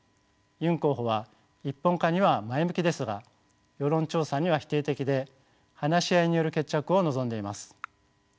ユン候補は一本化には前向きですが世論調査には否定的で話し合いによる決着を望んでいます。